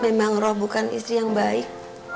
memang roh bukan istri yang baik